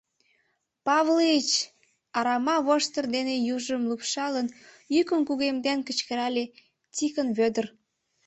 Павлы-ыч!.. — арама воштыр дене южым лупшалын, йӱкым кугемден кычкырале Тикын Вӧдыр.